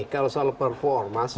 kalau soal perpu ormas